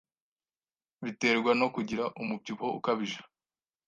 biterwa no kugira umubyibuho ukabije